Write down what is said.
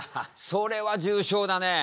それは重症だね。